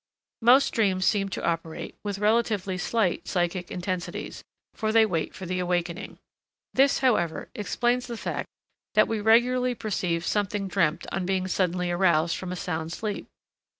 Most dreams seem to operate with relatively slight psychic intensities, for they wait for the awakening. This, however, explains the fact that we regularly perceive something dreamt on being suddenly aroused from a sound sleep.